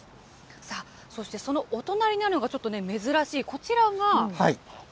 さあそして、そのお隣にあるのが、ちょっとね、珍しい、こちらが。